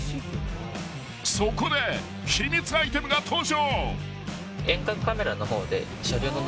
［そこで秘密アイテムが登場］